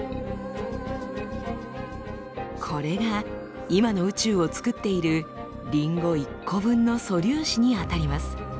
これが今の宇宙をつくっているリンゴ１個分の素粒子にあたります。